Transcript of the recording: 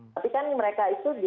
tapi kan mereka itu